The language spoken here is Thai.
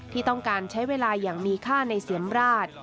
ที่ต้องการใช้เวลาอย่างมีค่าในเสียมราช